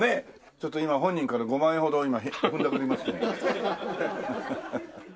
ちょっと今本人から５万円ほどふんだくりますんで。